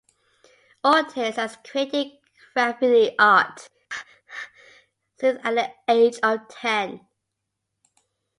Ortiz has created graffiti art since at the age of ten.